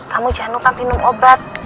kamu jangan lupa minum obat